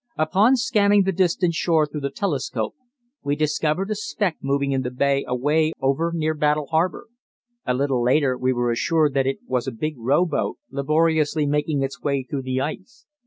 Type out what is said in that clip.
Upon scanning the distant shore line through the telescope we discovered a speck moving in the bay away over near Battle Harbour. A little later we were assured that it was a big row boat laboriously making its way through the ice.